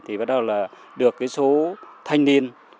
thì bắt đầu là được cái số thanh niên